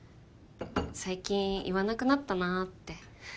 最近言わなくなったなって。